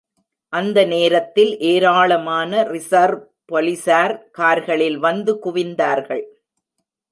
அந்த நேரத்தில் ஏராளமான ரிசர்வ் போலீசார் கார்களில் வந்து குவிந்தார்கள்.